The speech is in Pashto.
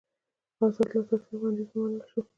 د ازاد لاسرسي وړاندیز ومنل شو.